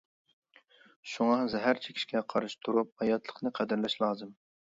شۇڭا، زەھەر چېكىشكە قارشى تۇرۇپ، ھاياتلىقنى قەدىرلەش لازىم.